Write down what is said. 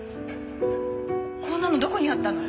こんなのどこにあったの？